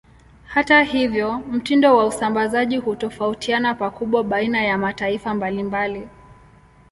Hata hivyo, mtindo wa usambazaji hutofautiana pakubwa baina ya mataifa mbalimbali.